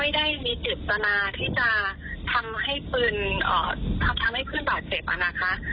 ไม่ได้มีติดตนาที่จะทำให้เพื่อนบาดเจ็บนะครับ